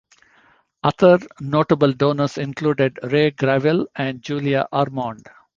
Other notable donors included Ray Gravell and Julia Ormond.